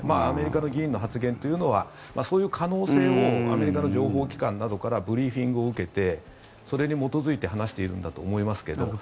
アメリカの議員の発言というのはそういう可能性をアメリカの情報機関などからブリーフィングを受けてそれに基づいて話しているんだと思いますけど。